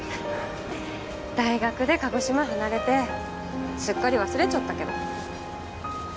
大学で鹿児島離れてすっかり忘れちょったけど。